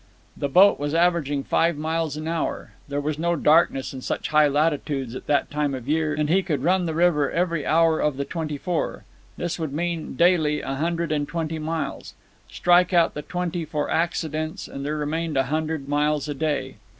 The boat was averaging five miles an hour. There was no darkness in such high latitudes at that time of the year, and he could run the river every hour of the twenty four. This would mean, daily, a hundred and twenty miles. Strike out the twenty for accidents, and there remained a hundred miles a day.